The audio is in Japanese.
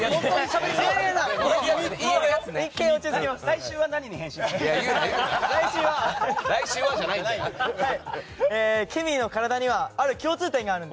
来週は何に変身するの？